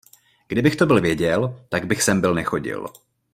Kdybych to byl věděl, tak bych sem byl nechodil.